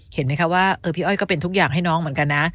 เห็นไหมคะว่าพี่อ้อยก็เป็นทุกอย่างให้น้องเหมือนกันนะ